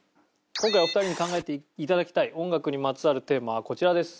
今回お二人に考えて頂きたい音楽にまつわるテーマはこちらです。